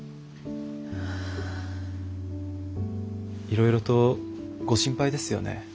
いろいろとご心配ですよね。